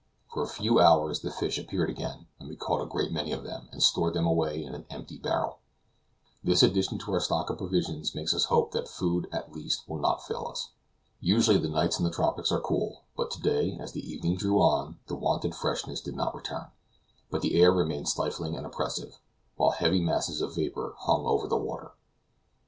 For a few hours the fish appeared again, and we caught a great many of them, and stored them away in an empty barrel. This addition to our stock of provisions makes us hope that food, at least, will not fail us. Usually the nights in the tropics are cool, but to day, as the evening drew on, the wonted freshness did not return, but the air remained stifling and oppressive, while heavy masses of vapor hung over the water.